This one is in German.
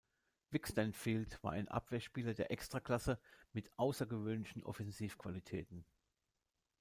Vic Stanfield war ein Abwehrspieler der Extra-Klasse, mit außergewöhnlichen Offensivqualitäten.